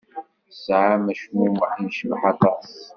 Tesɛamt acmumeḥ yecbeḥ aṭas.